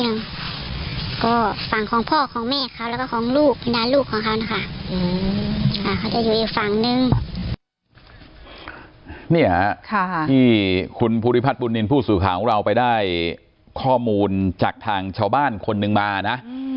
นี่คุณพุทธิพัทธ์บุญนินทร์ผู้สูตรของเราไปได้ข้อมูลจากทางชาวบ้านคนหนึ่งมานะ